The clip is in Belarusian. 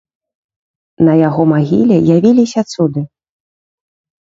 На яго магіле явіліся цуды.